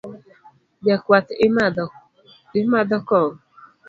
Jakuath imadho kong'o?